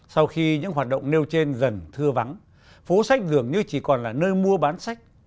sau khi những hoạt động nêu trên dần thưa vắng phố sách dường như chỉ còn là nơi mua bán sách